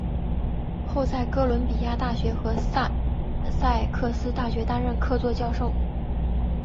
后在哥伦比亚大学和萨塞克斯大学担任客座教授。